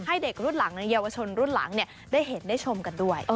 ให้เด็กรุ่นหลังเยาวชนรุ่นหลังได้เห็นได้ชมกันด้วย